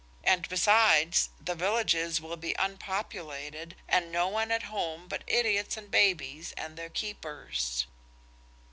And, besides, the villages will be unpopulated, and no one at home but idiots and babies and their keepers."